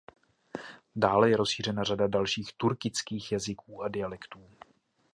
Dále je rozšířena řada dalších turkických jazyků a dialektů.